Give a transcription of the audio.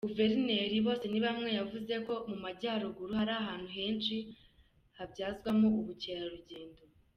Guverineri Bosenibamwe yavuze ko mu Majyaruguru hari ahantu henshi habyazwamo ubukerarugendo.